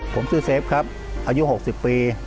ผมชื่อเซฟครับอายุ๖๐ปี